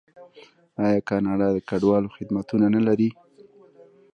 آیا کاناډا د کډوالو خدمتونه نلري؟